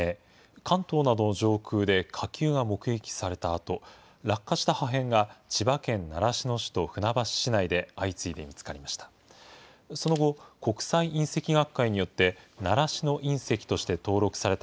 関東などの上空で火球が目撃されたあと、落下した破片が千葉県習志野市と船橋市内で相次いで見つかりました。